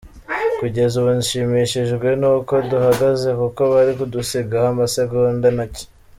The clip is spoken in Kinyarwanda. Kugeza ubu nshimishijwe n’uko duhagaze, kuko bari kudusigaho amasegonda macye”.